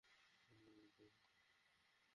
কী বললি তুই?